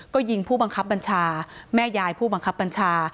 ก็ยิงผู้บังคับบัญชาแม่ยายผู้บังคับบัญชา